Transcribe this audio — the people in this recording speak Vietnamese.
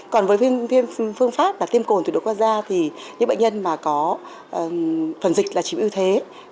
còn với phương pháp tiêm cồn tuyệt đối qua da thì những bệnh nhân có phần dịch là chống ưu thế